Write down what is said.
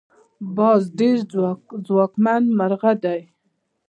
باز ډیر ځواکمن مرغه دی